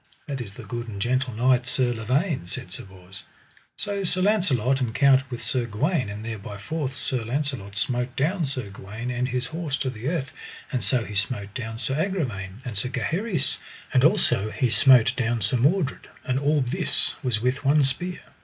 That is the good and gentle knight Sir Lavaine, said Sir Bors. So Sir Launcelot encountered with Sir Gawaine, and there by force Sir Launcelot smote down Sir Gawaine and his horse to the earth, and so he smote down Sir Agravaine and Sir Gaheris, and also he smote down Sir Mordred, and all this was with one spear.